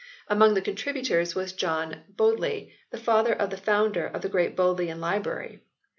Among the contributors was John Bodley the father of the founder of the great Bodleian Library.